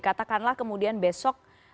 katakanlah kemudian besok